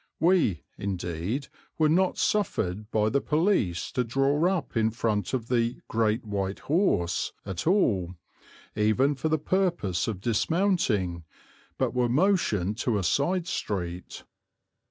We, indeed, were not suffered by the police to draw up in front of the "Great White Horse" at all, even for the purpose of dismounting, but were motioned to a side street.